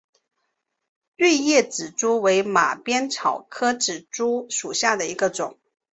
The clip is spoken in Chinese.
锐叶紫珠为马鞭草科紫珠属下的一个种。